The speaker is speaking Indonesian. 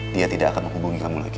dia tidak akan menghubungi kamu lagi